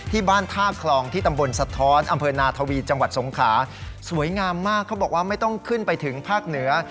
ที่บ้านท่าคลองที่ตำบลสะท้อนอำเภอนาทวีจังหวัดสงขาสวยงามมากเขาบอกว่าไม่ต้องขึ้นไปถึงภาคเหนือ